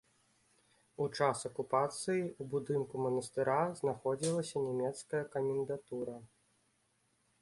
У час акупацыі ў будынку манастыра знаходзілася нямецкая камендатура.